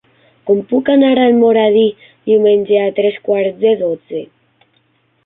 Com puc anar a Almoradí diumenge a tres quarts de dotze?